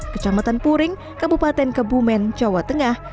kecamatan puring kabupaten kebumen jawa tengah